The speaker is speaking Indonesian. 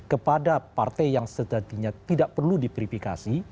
kepada partai yang sejatinya tidak perlu di verifikasi